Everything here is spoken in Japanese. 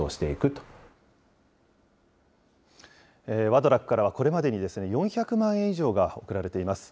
ワドラックからは、これまでに４００万円以上が送られています。